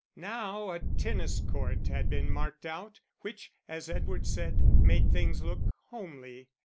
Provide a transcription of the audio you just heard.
Now a tennis court had been marked out, which, as Edward said, made things look homely.